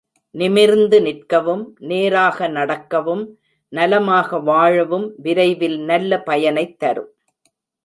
நிமிர்ந்து நிற்கவும், நேராக நடக்கவும், நலமாக வாழவும் விரைவில் நல்ல பயனைத் தரும்.